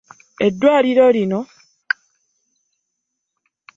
Eddwaliro lino teririna masannyalaze.